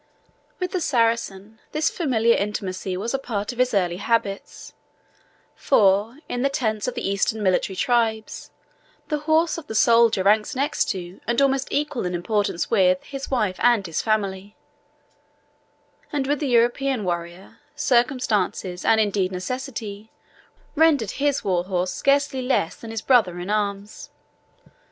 With the Saracen this familiar intimacy was a part of his early habits; for, in the tents of the Eastern military tribes, the horse of the soldier ranks next to, and almost equal in importance with, his wife and his family; and with the European warrior, circumstances, and indeed necessity, rendered his war horse scarcely less than his brother in arms.